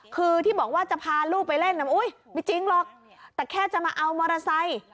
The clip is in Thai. คือที่บอกว่าจะพาลูกไปเล่นน่ะอุ๊ยไม่จริงหรอกแต่แค่จะมาเอามอเตอร์ไซค์